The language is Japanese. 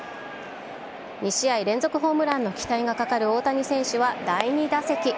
２試合連続ホームランの期待がかかる大谷選手は第２打席。